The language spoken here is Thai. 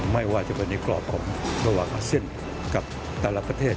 ไม่ว่าจะเป็นในกรอบของระหว่างอาเซียนกับแต่ละประเทศ